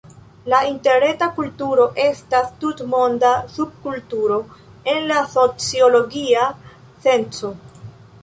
La interreta kulturo estas tutmonda subkulturo en la sociologia senco.